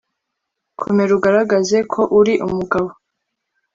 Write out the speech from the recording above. komera ugaragaze ko uri umugabo